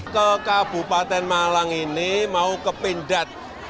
ke kabupaten malang ini mau ke pindad